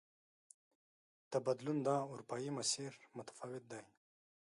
د بدلون دا اروپايي مسیر متفاوت دی.